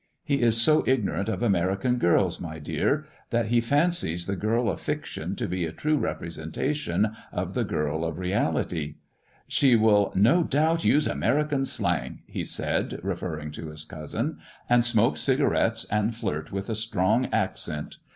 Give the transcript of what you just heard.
He is so ignorant of American girls, my dear, that he fancies the girl of fiction to be a true representation of the girl of MISS JONATHAN 173 reality. " She will no doubt use American slang," he said, referring to his cousin, ''and smoke cigarettes, and flirt with a strong accent.